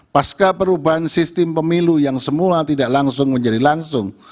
pasca perubahan sistem pemilu yang semula tidak langsung menjadi langsung